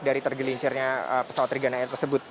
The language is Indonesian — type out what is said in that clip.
dari tergelincirnya pesawat regana air tersebut